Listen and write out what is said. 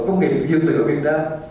công nghiệp dược liệu ở việt nam